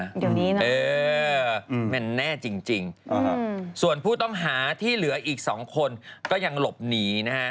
เดี๋ยวนี้นะเออมันแน่จริงส่วนผู้ต้องหาที่เหลืออีก๒คนก็ยังหลบหนีนะฮะ